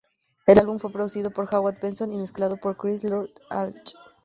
El álbum fue producido por Howard Benson y mezclado por Chris Lord-Alge.